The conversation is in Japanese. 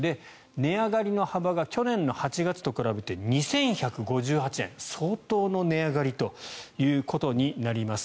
値上がりの幅が去年の８月と比べて２１５８円相当の値上がりということになります。